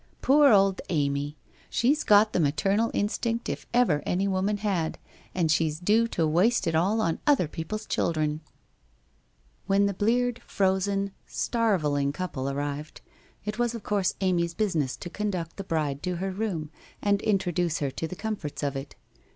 Poor old Amy ! She's got the maternal instinct if ever any woman 334 WHITE ROSE OF WEARY LEAF 335 had, and she's due to waste it all on other people's children !' When the bleared, frozen, starveling couple arrived, it was of course Amy's business to conduct the bride to her room and introduce her to the comforts of it.